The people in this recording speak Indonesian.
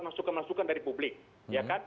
masukan masukan dari publik ya kan